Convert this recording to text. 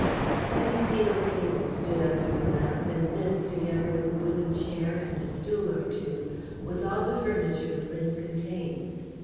A heavy deal table stood under the lamp, and this, together with a wooden chair and a stool or two, was all the furniture the place contained.